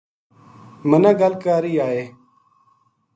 منا گل کاری آئے ‘‘